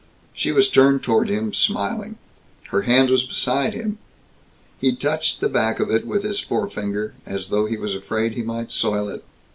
She was turned toward him, smiling. Her hand was beside him. He touched the back of it with his forefinger, as though he was afraid he might soil it.